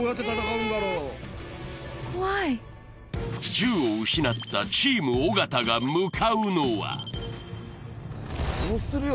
銃を失ったチーム尾形が向かうのはどうするよ